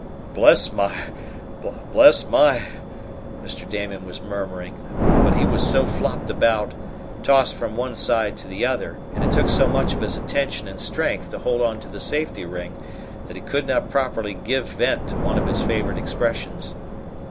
"Bless my bless my " Mr. Damon was murmuring, but he was so flopped about, tossed from one side to the other, and it took so much of his attention and strength to hold on to the safety ring, that he could not properly give vent; to one of his favorite expressions.